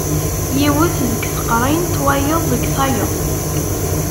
Yiwet deg teqrint, wayeḍ deg tayeḍ.